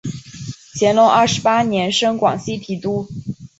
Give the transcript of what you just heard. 乾隆二十八年升广西提督。